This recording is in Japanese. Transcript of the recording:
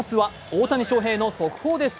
大谷翔平の速報です。